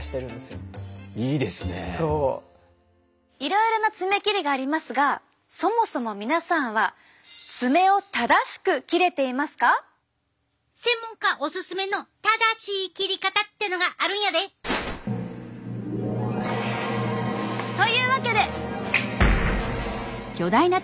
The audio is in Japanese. いろいろな爪切りがありますがそもそも皆さんは専門家おすすめの正しい切り方ってのがあるんやで！というわけで！